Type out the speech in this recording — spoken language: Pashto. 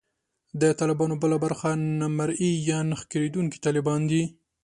د طالبانو بله برخه نامرئي یا نه ښکارېدونکي طالبان دي